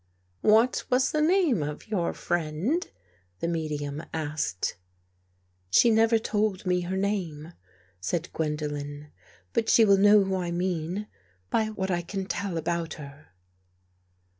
" What was the name of your friend? " the me dium asked. " She never told me her name," said Gwendolen, " but she will know who I mean by what I can tell about her."